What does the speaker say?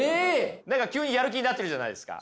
何か急にやる気になってるじゃないですか。